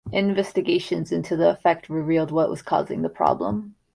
Investigations into the effect revealed what was causing the problem.